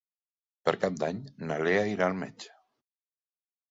Per Cap d'Any na Lea irà al metge.